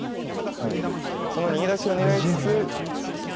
その逃げ出しを狙いつつ。